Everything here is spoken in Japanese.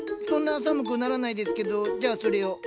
そんな寒くならないですけどじゃあそれを。